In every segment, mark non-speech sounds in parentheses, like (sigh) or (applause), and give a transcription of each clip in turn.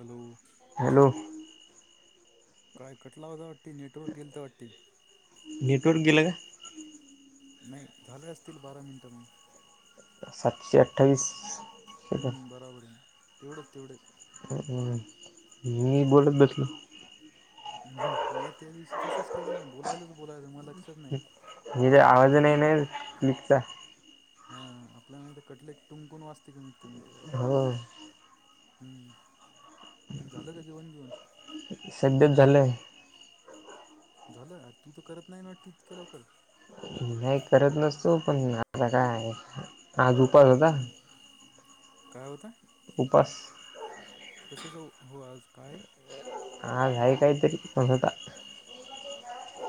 Hello, hello, काय कटला होता वाटते नेटवर्क गेलत वाटते. नेटवर्क गेलं का? नाही झाले असतील बारा मिनिट मग सातशे अठ्ठावीस बराबर हे तेवढ तेवढच मी बोलत बसलो ह मी त्या दिवशी तसंच केलं ना बोलायलोच बोलायलो मला लक्षात नाही हेे आवाज नाही नाही क्लिपचा हा आपला नाही तर कटले की टुंग टुंग वाचते कमीत कमी हो हम् झालं का जेवण बिवन सध्याच झालं आहे झालं तू तर करत नाही ना इतक्या लवकर नाही करत नसतो पण आता काय आज उपास होता हम्म, काय होता? उपास कशाचा हो आज काय आहे हाय हाय कायतरी थोडासा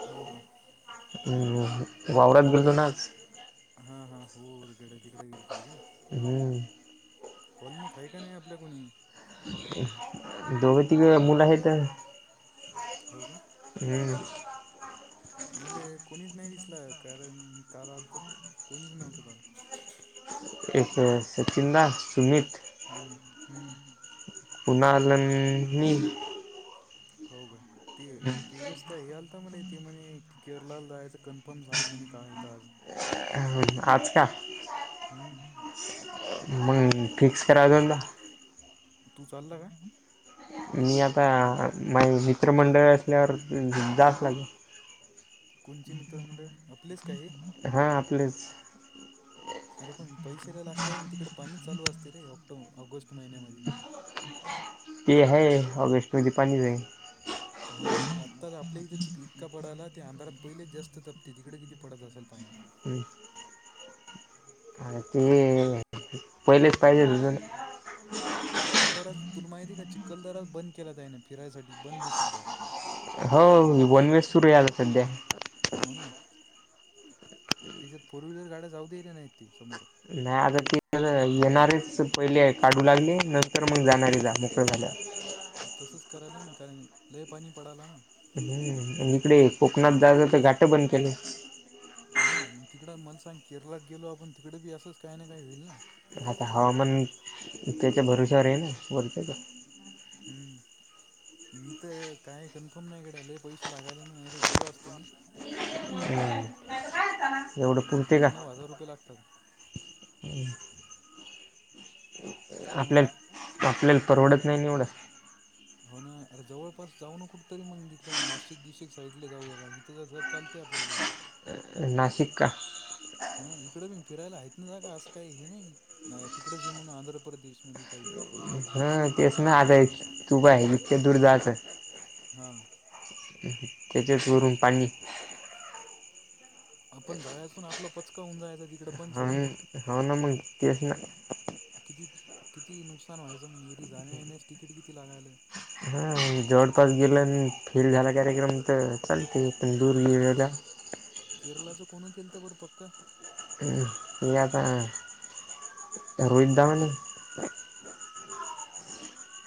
हो का हो हा हो हो तिकडेच गेलते कां हम् कॉलनीत आहे का नाही आपल्या कोणी? दोघ तिघ मुलं आहेत हो का हम्म मले कोणीच नाही दिसला कारण मी काल आलतो ना कोणीच नव्हतो काल एक सचिन दा सुमित हम्म हम्म (unintelligible) हो का ते ते जास्त हे आल ता मला येते म्हणे ते केअर ला जायचं कन्फर्म सांग म्हणे का इथं आज आज का हम्म मग फिक्स कराव लागेल ना तू चालला का? मी आता माझे मित्रमंडळ असल्यावर जावस लागेल कोणचे मित्रमंडळ आपलेच काय हे हा आपलेच अरे पण पैशे लय लागतात अन तिकडे पाणी चालू असते रे ऑक्टो ऑगस्ट महिन्यामध्ये ते हाय ऑगस्टमध्ये पाणी च हाय हो ना आत्ताच आपल्या इथं इतका पडायला ते अंधारात पहिलेच जास्त तपते तिकडे किती पडत असेल पाणी आणि ते पहिलेच पाहिजे दुजून (inaudible) चिखलदराज तुला माहिती आहे का चिखलदराज बंद केला जाईना फिरायसाठी बंद आहे सध्या हो बोलनेच सुरूय आजुक सध्या हो ना तिज्यात फोर व्हीलर गाड्या जाऊ दिल्या नाहीत समोरून नाही आता ते कसं येणारेच पहिले काढू लागले नंतर मग जाणारे जा मोकळे झाल्यावर तसच कराले ना काय लय पाणी पडला ना? हम् इकडे कोकणात जायचे तर घाटं बंद केले हो ना मग तिकड मला सांग केरळलात गेलो आपण तिकडे बी असंच काही ना काही होईल ना? आता हवामान त्याच्या भरोश्यावर आहे ना वरच्याच्या हम्म मी तर काय कन्फर्म नाही, गड्या लय पैशे लागायले ना? नाही तर गेलो असतो मी एवढं हम्म, पुरते का आठ नऊ हजार रुपये लागतात (inaudible) काय म्हणला आपल्याला आपल्याला परवडत नाही ना एवढं? हो ना अरे जवळपास जाऊ न कुठ तरी मग इकडं नाशिक गीशीक साईडला जाऊ इथं चालतय आपल्याला नाशिक का? हा ना इकडे बी फिरायला आहेत ना जागा? असं काही हे नाही नाही तिकडेच हे म्हणून आंध्रप्रदेशमध्ये काही? हं तेच ना आता तु पाय इतक्या दूर जायचं? हां त्याचेच वरून पाणी आपण जायाचो आणि आपला पचका होऊन जायचा ति हा हाव ना मग तेच ना किती किती, नुकसान व्हायचं मग येरी जाणे येण्याच तिकीट किती लागायल? हं जवळपास गेल आणि फेल झाला कार्यक्रम तर चालते तंदूर हे के- (unintelligible) केरलाचं कोण केल तर बरं पक्कं? ते आता रोहित दादा नी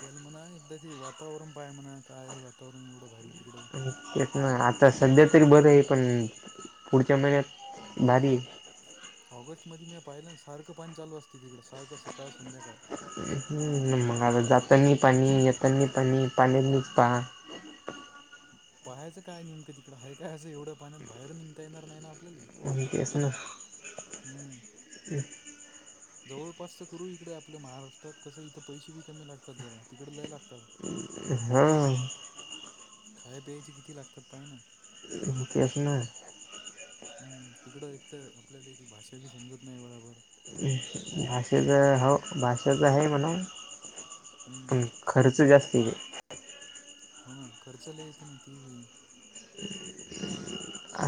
त्याला म्हणा एकदा ते वातावरण पाहे म्हणा काय हाय वातावरण एवढं भारीय तिकडं तेच ना आता सध्या तरी बरंय पण पुढच्या महिन्यात भारी ऑगस्टमध्ये म्या पाहिलं ना सारखं पाणी चालू असते. तिकडं सारखं सकाळ संध्याकाळ हं मग आता जातानी पाणी येतानी पाणी पाणी नुसतं पहा पाहायचं काय नेमकं तिकंड हाय काय असं एवढं पाण्यात बाहेर निंघता येणार नाही ना आपल्याले? आणि तेच ना हम्म (inaudible) तेच जवळपासच करू इकडं आपल्या महाराष्ट्रात कसं इथं पैसे बी कमी लागतात जरा तिकडं लय लागतात हा खाया पियाचे किती लागतात पाहे ना? तेच ना हम्म तिकडं एक तर आपल्याला ती भाषा बी समजत नाही बराबर हं भाषाचं हाव भाषाचे आहे म्हणू हम्म खर्च जास्तय हो ना खर्च‌ लय येते ना ते बी ए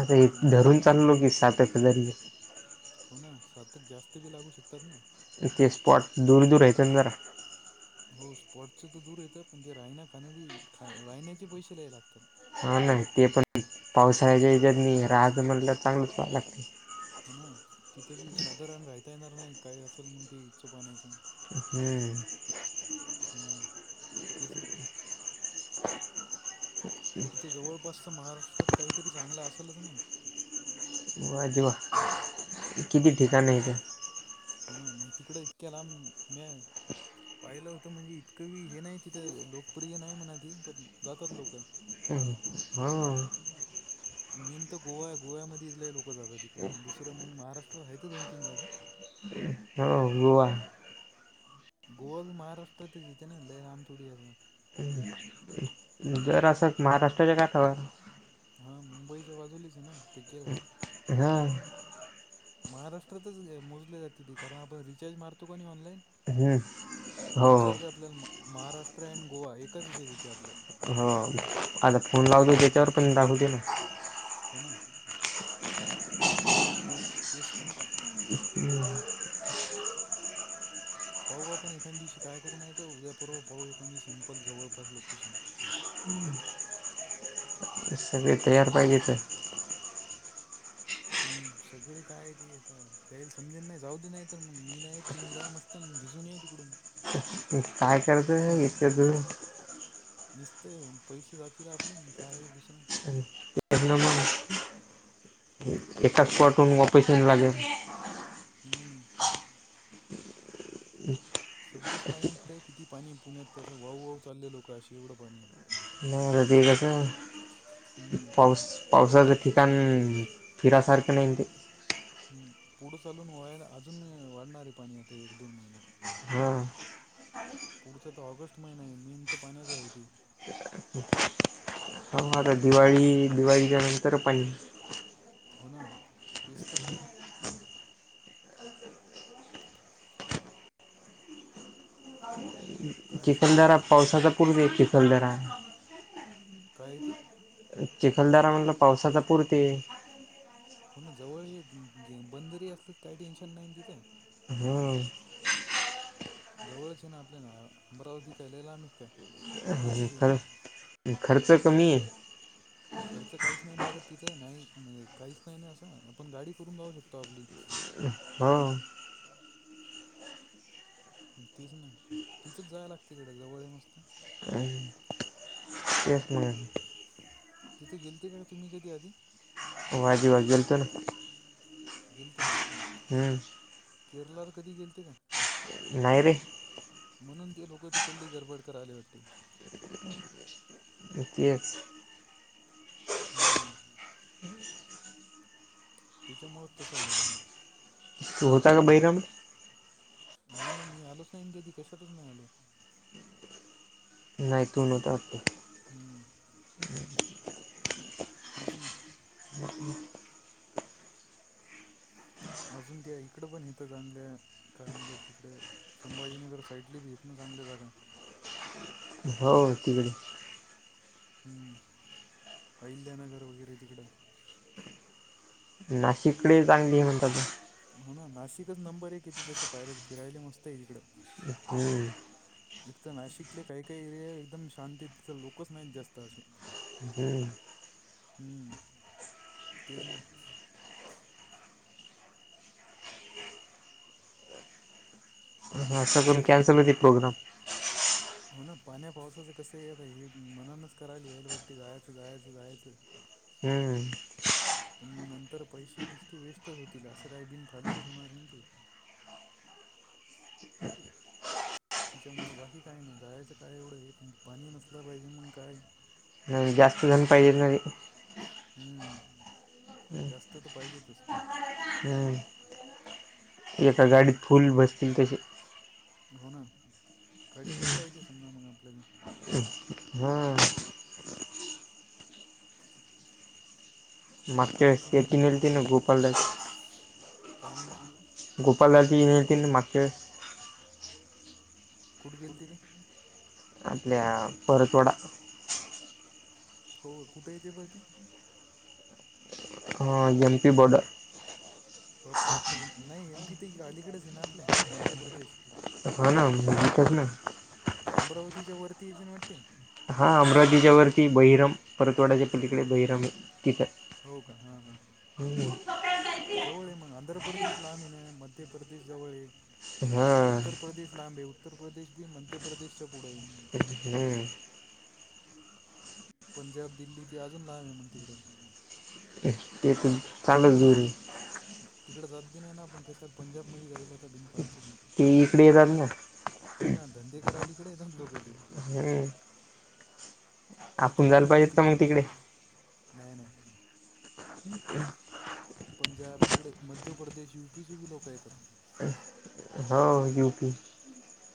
आता हे पण पाणी धरुन चाललो की सात आठ हजार येई हो ना सात एक जास्त बी लागू शकतात ना? तिथे स्पॉट दूर दूर हातना जरा हो स्पॉटच तर दूर येतं पण ते राहिणं खाण्यानी खा राहण्याचे पैसे लय लागतात. हा ना ते पण पावसाळ्याच्या हेच्यातनी राह्याच म्हणलं चांगलंच पहायला लागत हो ना तिथं बी साधारण राहता येणार नाही काय असल मंग ते (unintelligible) पाण्याचं हम्म हम्म तेच ना. इथं जवळपास तर महाराष्ट्रात काहीतरी चांगलं असलच ना? वाजवा किती ठिकाण आहेेत. हो ना मंग तिकडं इतक्या लांब मॅ पाहिलं होतं म्हणजे इतकंबी हे नाही तिथं लोकप्रिय नाही म्हणा ती पण जातात लोकं. हां मेन तर गोवा गोव्यामध्ये इथले लोक जातात तिकडे दुसरं मंग महाराष्ट्र हायत दोन तीन जागा. हो गोवा. गोवा बी महाराष्ट्रातच येते ना लय लांब थोडी आहे. हम्म जर असंच महाराष्ट्राच्या (unintelligible) हा मुंबईच्या बाजूलीच आहे ना ते केलंच. हां महाराष्ट्रातच मोजले जात ती कारण आपण रिचार्ज मारतो किनाय ऑनलाईन हम्म ती हो हो विचारते आपल्याला मग महाराष्ट्र अँड गोवा एकाच हेच्यात येत आपलं हा आता फोन लावतो हम्म त्याच्यावर पण दाखवते ना. हो ना तेच तर हम्म पाहू आपण एखांदिवशी काय करू नाय तर उद्यापरवा पाहू एखांदी सिंपल जवळपास लोकेशन. (unintelligible) सगळे तयार पाहिजेत. हम्म सगळे काय ती येता त्यायला समजेल नाही जाऊ दे नाही तर मग मी नाही तुम्ही जा मस्त. तान भिजून या तिकडून. ते काय करायचंय इतक्या दुर निसते पैसे जातील आपले नी काय आहे दुसरं. हम्म (inaudible) हो ना एका तेच ना स्पॉटवरुन वापस येन लागेल. हम्म सध्याच पाणी इकटंय किती पाणी आहे पुण्यात तसं वाहू वाहू चालले लोकं असे एवढं पाणी आहे. नाही र ते कस हम्म पाऊस पावसाचं ठिकाण फिरासारखं नाहीन ते. हम्म पुढं चालून वयाला अजून वाढणार आहे पाणी आता एक दोन महिन्यात. हां पुढचा तर ऑगस्ट महिना आहे मेन तर पाण्याच आहे ते. (unintelligible) ह मग आता दिवाळी दिवाळीच्या नंतर पण हो ना तेच तर. (inaudible) कायच करावं चिखलदरा पावसाचा पूर्वी चिखलदरा आहे काय आहे ते? चिखलदरा म्हटलं पावसाचा पुरते हो ना जवळ गं गे बंदरी असतात काही टेन्शन नाही तिथं हम्म जवळच आहे ना आपल्या ना अमरावती काय लय लांब आहे काय इथंच खर खर्च कमी आहे. खर्च काहीच नाही लागतं तिथं नाही म्हणजे काहीच नाही ना असं आपण गाडी करून जाऊ शकतो आपली. हा तेच ना तिथंच जाय लागतं तिकडं जवळ आहे नुसता काय एक मिनटं तिथे गेलते का तुम्ही कधी आधी वाजेवा गेलतो ना (unintelligible) गेलते का? हम्म केरलाला कधी गेलते काय? नाही रे म्हणून ते लोकं तिकडली गरबड कर आले होते. तेच हम्म त्याच्यामुळंच तसं व्हायलं. तो होता का बहिराम नाही नाही मी आलोच नाही ईन कधी कशातच नाही आलो. नाही तू नव्हतं. हम हम्म तेच ना ह अजून ते इकडं पण इथं चांगल्या काय म्हणतात तिकडे संभाजीनगर साईडली बी येत ना चांगल्या जागा हो तिकडे हम्म अहिल्यानगर वगैरे तिकडं नाशिकडे चांगली म्हण हो ना नाशिकच नंबर आहे इथे तसं पाहिलंच फिरायला मस्त आहे तिकडं. हम्म एक तर नाशिकले काही काही एरिया एकदम शांत आहेत तिथं लोकच नाहीत जास्त असे. हम्म हम्म तेच ना ह असं करून एकदा कॅन्सल होती प्रोग्राम हो ना पाण्या पावसाचं कसं आता हे मनानच करायला याईल वाट्टी जायचं जायचं जायचं. हम्म मग नंतर पैसे निसते वेस्टच होतील असं काही बिन फालतूच होणार ते तिच्यामुळं बाकी काय नाही जायचं काय एवढं हे पण पाणी नसलं पाहिजे मग काय नाही जास्त जण पाहिजेत ना रे हम्म. जास्त तर पाहिजेेतच. हम्म एका गाडीत फुल बसतील तसे. हो ना गाडी करता येते समजा मग आपल्याला. हम्म हां (inaudible) मग काय ताणच नाही मग काय शे (unintelligible) ना गोपाल काय म्हणला. गोपालजीन हे तीन मागच्या वेळेस कुठे गेलते ते? आपल्या परतवडा. हो कुठय ते परती? हां एम पी बोर्डर. बापरे एम नाही एमपी. तर अलीकडेच आहेना आपल्या मध्य प्रदेश? हो. ना (unintelligible) अमरावतीच्या वरती येते ना वाटते? हा अमरावतीच्या वरती बहिरम परतवाडाच्या पलीकडे बहिरम आहे तिथं. हो. का हां हां (unintelligible) जवळ आहे मग आंध्र प्रदेश लांब हे ना. मध्य प्रदेश जवळय. हा उत्तर प्रदेश लांब आहे. उत्तर प्रदेश भी मध्य प्रदेशच्या पुढं आहे. हम्म पंजाब दिल्ली ते अजून लांब आहे मग तीकडं. तेच ना चालक दरी तिकडें जात बि नाही ना आपण कशाला पंजाबमध्ये जाईला. आता बिन फालतंच ती इकडेे येतात ना हो ना, धंदे करायला इकडे येतात लोक कधी हम्म तेचं आपण बर जायला बा पाहिजेत का तिकडं मग तिकडे नाही नाही. पंजाब तिकडे. मध्य प्रदेश युपी ची बी लोकं येतात. हो, यूपी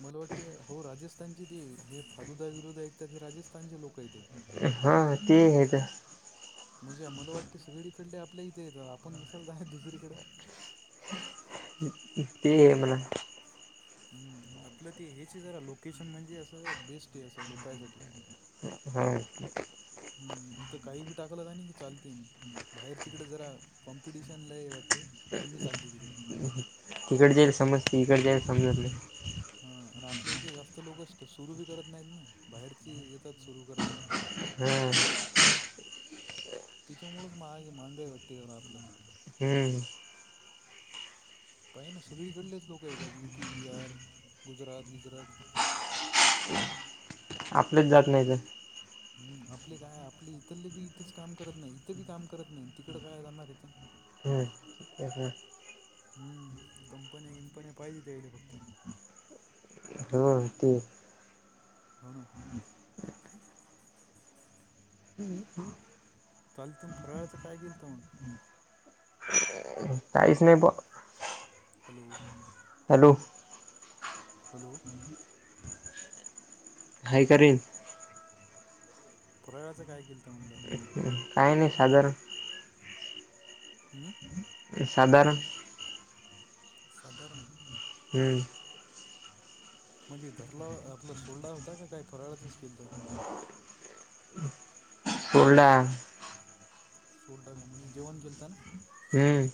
मला वाटते. हो राजस्थानची ती हे फालुदा विलुदा विकतात हे राजस्थानचे लोक येते. हा ते आहे. तर म्हणजे मला वाटते. सगळीकडले आपल्या इथे येतात आपण कशाला जायच आहे दुसरीकडें. ते. म्ह (unintelligible) हम्म आपलं ते ह्याची जरा लोकेशन म्हणजे. असं बेस्ट आहे. असं लोकांसाठी. हो हम्म. इथं काही बी टाकलं का नाही की चालते. बाहेर तिकडं जरा कॉम्पिटिशन लय आहे वाटते कमी चालते तिकडं. तिकडे जाईल समजते. इकडे जाईल समजत नाही. हा आणि आपल्या इथे जास्त लोक सुरू बी करत नाहीत ना बाहेरची येतात सुरू करतात. हम्म त्याच्यामुळेच (unintelligible) महागाई वाटते. जरा आपलं हम्म पाहना सगळीकडलेच लोकं येतात यूपी, बिहार, गुजरात गिजरात. आपलेच जात नाही तर हूम् आपले काय आपले इथलबी इथंच काम करत नाही. इथे बी काम करत नाही, तिकड काय जाणार हाईथ? हम्म. हू हू. हुम कंपन्या इम्पंन्या पाहिजे तेहला फक्त होय तेच. हा ना? काल तुम्ही फराळाच काय केलत मग? काय नाही. काहीच नाही बुवा! हॅलो. हॅलो. हॅलो. हाय का रेंज? फराळाचं काय केेलत म्हणलं? हिम क्रीम (unintelligible) काय नाही खाजारत. हू हू. ते साधारण. साधारण. हूम्म. मध्ये धरला आपला सोडला होता का काय फराळच केेलत? सोडला. सोडल का म्हणजे जेवण केलता ना? हू अ.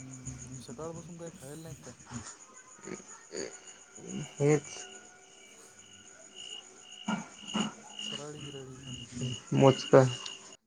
हू हू सकाळ पासून काही खायल नाही काय? हेच. फराळी गिराळी एकांदी मोजकाच.